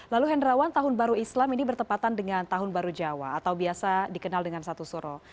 lalu hendrawan tahun baru islam ini bertepatan dengan tahun baru jawa atau biasa dikenal dengan satu suro